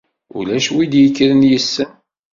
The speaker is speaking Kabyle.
Ulac win i d-yekkren yessen